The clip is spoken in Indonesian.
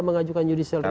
mengajukan judicial review